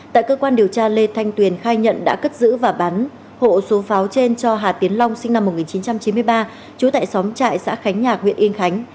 tại cơ quan điều tra lê thanh tuyền khai nhận đã cất giữ và bán hộ số pháo trên cho hà tiến long sinh năm một nghìn chín trăm chín mươi ba trú tại xóm trại xã khánh nhạc huyện yên khánh